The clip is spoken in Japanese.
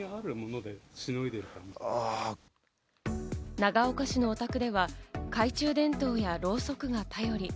長岡市のお宅では、懐中電灯やろうそくが頼り。